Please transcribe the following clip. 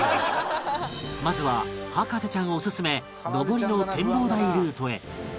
まずは博士ちゃんおすすめ上りの展望台ルートへ